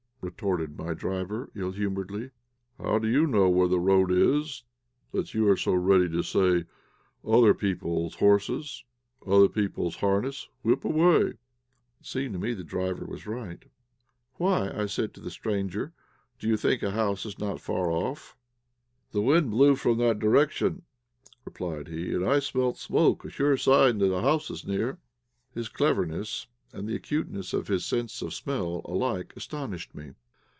retorted my driver, ill humouredly. "How do you know where the road is that you are so ready to say, 'Other people's horses, other people's harness whip away!'" It seemed to me the driver was right. "Why," said I to the stranger, "do you think a house is not far off?" "The wind blew from that direction," replied he, "and I smelt smoke, a sure sign that a house is near." His cleverness and the acuteness of his sense of smell alike astonished me.